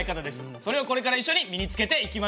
それをこれから一緒に身につけていきましょう。